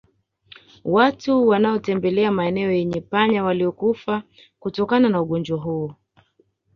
Watu wanaotembelea maeneo yenye panya waliokufa kutokana na ugonjwa huu